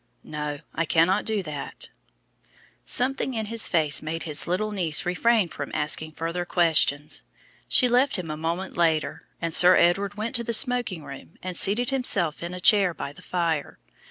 "No, I cannot do that." Something in his face made his little niece refrain from asking further questions. She left him a moment later, and Sir Edward went to the smoking room and seated himself in a chair by the fire.